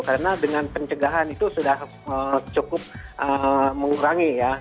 karena dengan pencegahan itu sudah cukup mengurangi ya